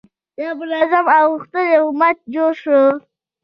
یو منظم او غښتلی امت جوړ شو.